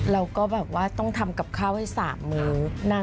เราก็แบบว่าต้องทำกับข้าวให้๓มื้อ